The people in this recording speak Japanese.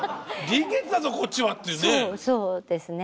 臨月だぞこっちはっていうね。